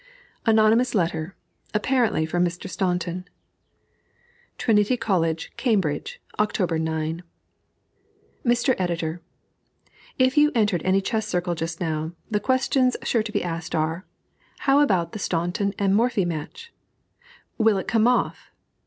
ANONYMOUS LETTER, APPARENTLY FROM MR. STAUNTON. TRINITY COLLEGE, CAMBRIDGE, Oct. 9. MR. EDITOR: If you enter any chess circle just now, the questions sure to be asked are, "How about the Staunton and Morphy match? Will it come off?